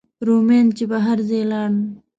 رومیان چې به هر ځای لاړل.